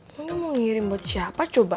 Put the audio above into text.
lu udah mau ngirim buat siapa coba